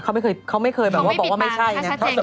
เขาไม่เคยปว่าว่าไม่ใช่ถ้าชัดเจนก็ใช่